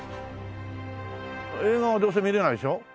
映画はどうせ見れないでしょ？